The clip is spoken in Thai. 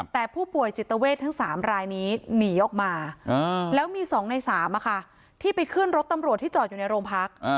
แต่ผู้ป่วยจิตเวททั้ง๓รายนี้หนีออกมาแล้วมี๒ใน๓ที่ไปขึ้นรถตำรวจที่จอดอยู่ในโรงพัก